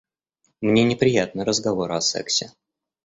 Мне неприятны разговоры о сексе.